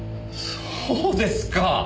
そうですか。